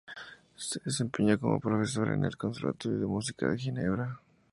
Se desempeñó como profesor en el conservatorio de Música de Ginebra.